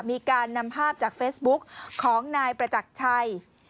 มีการนำภาพจากเฟซบุ๊กของนายประจักรชัย